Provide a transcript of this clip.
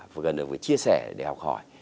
cần phải được chia sẻ để học hỏi